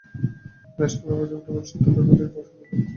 তিনি সাম্রাজ্যবাদের ভুল সিদ্ধান্তের বলি একজন সফল প্রাইভেটিয়ার ছিলেন।